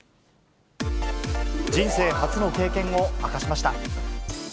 人生初の経験を明かしました。